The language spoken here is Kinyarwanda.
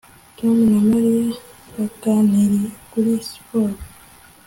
Tom na Mary baganiriye kuri siporo